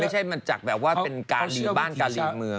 ไม่ใช่มันจากแบบว่ามีบ้านกาหลีเมือง